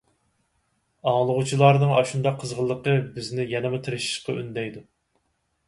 ئاڭلىغۇچىلارنىڭ ئاشۇنداق قىزغىنلىقى بىزنى يەنىمۇ تىرىشىشقا ئۈندەيدۇ.